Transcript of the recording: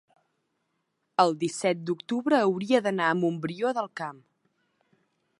el disset d'octubre hauria d'anar a Montbrió del Camp.